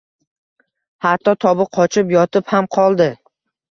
Hatto, tobi qochib, yotib ham qoldi